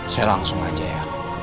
saya langsung aja ya